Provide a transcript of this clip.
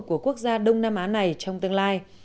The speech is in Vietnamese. của quốc gia đông nam á này trong tương lai